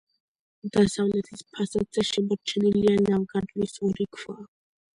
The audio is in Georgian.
დასავლეთის ფასადზე შემორჩენილია ლავგარდნის ორი ქვა.